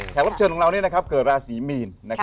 แขกรับเชิญของเรานี่นะครับเกิดราศีมีน